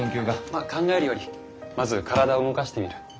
まっ考えるよりまず体を動かしてみる。